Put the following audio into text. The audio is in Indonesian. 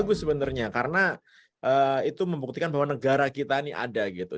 bagus sebenarnya karena itu membuktikan bahwa negara kita ini ada gitu